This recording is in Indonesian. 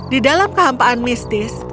di dalam kehampaan mistis